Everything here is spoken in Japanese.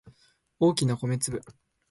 大きな米粒